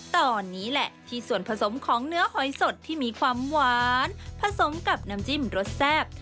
ตอนนี้แหละที่ส่วนผสมของเนื้อหอยสดที่มีความหวานผสมกับน้ำจิ้มรสแซ่บ